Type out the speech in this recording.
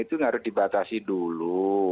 itu harus dibatasi dulu